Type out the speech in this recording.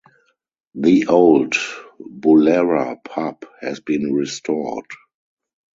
The Old Boolarra Pub has been restored.